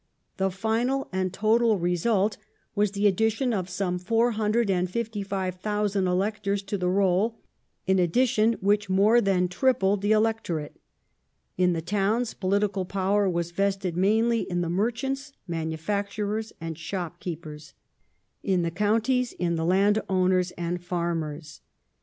The final and total result was the addition of some 455^00 electors to the roll — an addition which more than tripled the electorate. In the towns political power was vested mainly in the merchants, manufacturei's, and shopkeepei*s ; in the counties in the / landowners and the farmers.